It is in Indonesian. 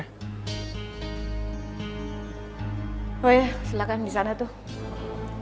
oh iya silahkan disana tuh